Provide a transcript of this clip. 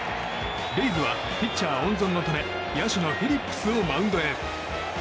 レイズはピッチャー温存のため野手のフィリップスをマウンドへ。